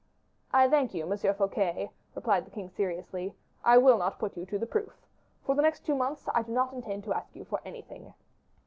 "I thank you, Monsieur Fouquet," replied the king, seriously. "I will not put you to the proof. For the next two months I do not intend to ask you for anything."